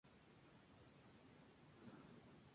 Por este motivo no pudo integrar la selección de su país.